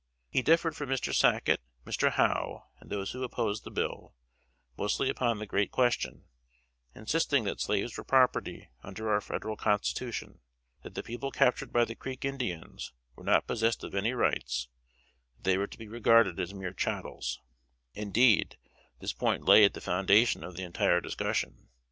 He differed from Mr. Sacket, Mr. Howe, and those who opposed the bill, mostly upon the great question insisting that slaves were property under our Federal Constitution; that the people captured by the Creek Indians were not possessed of any rights; that they were to be regarded as mere chattels: indeed, this point lay at the foundation of the entire discussion.